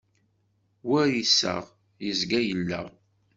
War iseɣ, yezga yelleɣ.